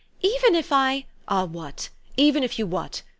Even if I" "Ah, what? Even if you what?